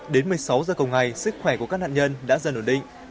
đến một mươi sáu giờ cùng ngày sức khỏe của các nạn nhân đã dần ổn định